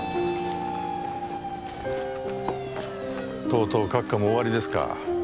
とうとう閣下も終わりですか。